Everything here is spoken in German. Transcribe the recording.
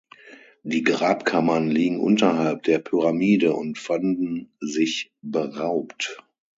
Die Grabkammern liegen unterhalb der Pyramide und fanden sich beraubt.